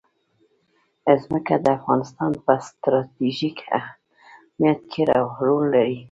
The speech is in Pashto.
ځمکه د افغانستان په ستراتیژیک اهمیت کې رول لري.